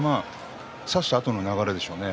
差したあとの流れでしょうね